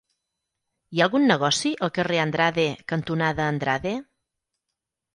Hi ha algun negoci al carrer Andrade cantonada Andrade?